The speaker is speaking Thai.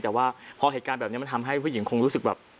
แต่ว่าพอเหตุการณ์แบบนี้มันทำให้ผู้หญิงคงรู้สึกแบบ